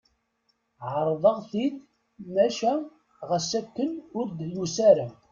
Ɛerḍeɣ-t-id maca ɣas akken, ur d-yusa ara.